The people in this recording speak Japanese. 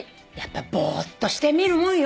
ぼーっとしてみるもんよ。